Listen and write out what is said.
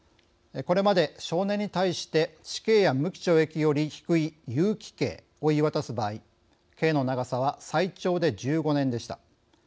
これまで少年に対して死刑や無期懲役より低い有期刑を言い渡す場合刑の長さは最長で１５年でした。